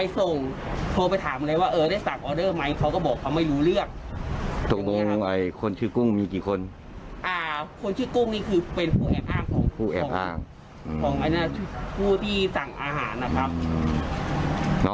น้องก็เสียหายด้วยคนนึงคงเสียหายเหมือนกันครับ๙๗๖บาท